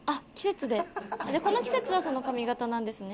じゃあこの季節はその髪形なんですね？